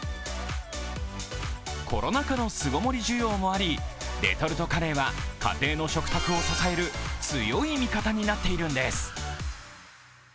コロナ禍の巣ごもり需要もありレトルトカレーは家庭の食卓を支える強い味方になっているんです。